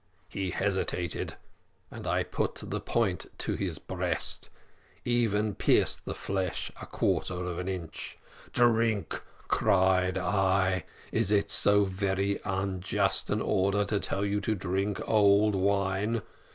He hesitated, and I put the point to his breast even pierced the flesh a quarter of an inch. "`Drink,' cried I `is it so very unjust an order to tell you to drink old wine?